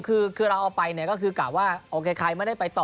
คือเรากลับไปก็อยากว่าเอาใครไม่ได้ไปต่อ